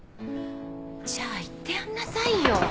じゃあ言ってやんなさいよ。